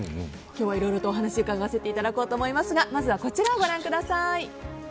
今日はいろいろとお話を伺わせていただこうと思いますがまずはこちらをご覧ください。